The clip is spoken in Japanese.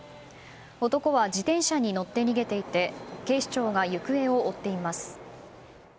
男は自転車に乗って逃げていて警視庁が行方を追っています。